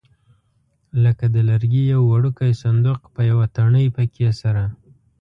لکه د لرګي یو وړوکی صندوق په یوه تڼۍ پکې سره.